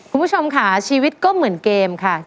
คุณผู้ชมค่ะชีวิตก็เหมือนเกมค่ะ